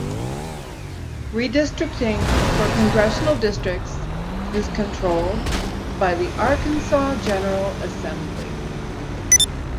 Redistricting for congressional districts is controlled by the Arkansas General Assembly.